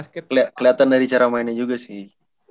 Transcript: kayaknya kelihatan dari cara mainnya juga sih